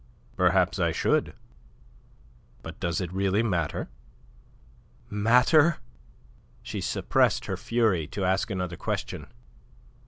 "Perhaps I should. But does it really matter?" "Matter?" She suppressed her fury to ask another question.